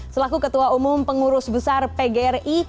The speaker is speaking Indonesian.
selaku ketua umum pengurus besar pgri